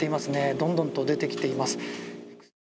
どんどんと出てきています。